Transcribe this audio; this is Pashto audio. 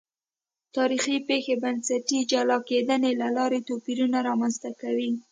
تاریخي پېښې بنسټي جلا کېدنې له لارې توپیرونه رامنځته کوي.